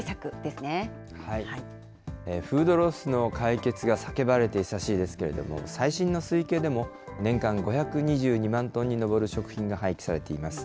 フードロスの解決が叫ばれて久しいですけれども、最新の推計でも年間５２２万トンに上る食品が廃棄されています。